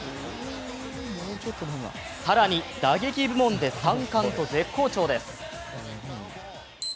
更に、打撃部門で３冠と絶好調です。